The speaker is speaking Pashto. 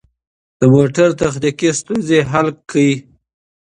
د موټر تخنیکي ستونزې حل کړئ.